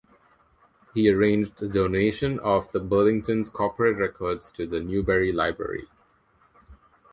He arranged the donation of the Burlington's corporate records to the Newberry Library.